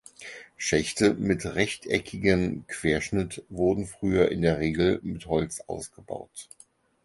Schächte mit rechteckigem Querschnitt wurden früher in der Regel mit Holz ausgebaut.